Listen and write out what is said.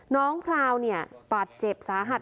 พราวเนี่ยบาดเจ็บสาหัส